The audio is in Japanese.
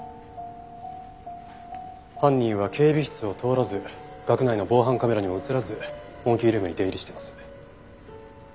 犯人は警備室を通らず学内の防犯カメラにも映らずモンキールームに出入りしています。